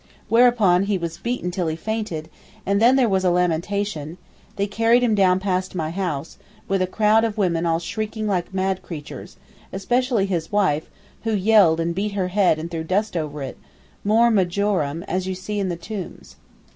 Whereupon he was beaten till he fainted, and then there was a lamentation; they carried him down past my house, with a crowd of women all shrieking like mad creatures, especially his wife, who yelled and beat her head and threw dust over it, more majorum, as you see in the tombs.